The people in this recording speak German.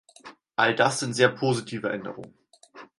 All das sind sehr positive Änderungen.